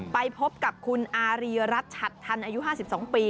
ไปพบกับคุณอารีรัฐฉัดทันอายุ๕๒ปี